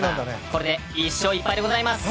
これで１勝１敗でございます。